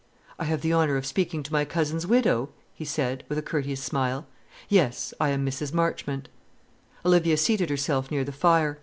"I have the honour of speaking to my cousin's widow?" he said, with a courteous smile. "Yes, I am Mrs. Marchmont." Olivia seated herself near the fire.